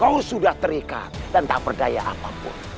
kau sudah terikat dan tak berdaya apapun